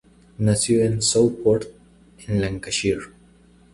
Nació en Southport, en Lancashire.